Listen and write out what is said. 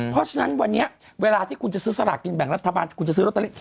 เพราะฉะนั้นวันนี้เวลาที่จะซื้อสลากลินแบ่งรัฐบาล